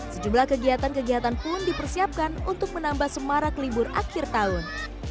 sejumlah kegiatan kegiatan pun dipersiapkan untuk menambah semarak libur akhir tahun